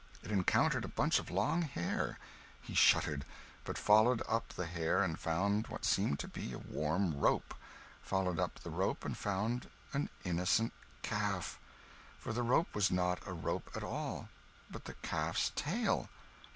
It encountered a bunch of long hair; he shuddered, but followed up the hair and found what seemed to be a warm rope; followed up the rope and found an innocent calf! for the rope was not a rope at all, but the calf's tail.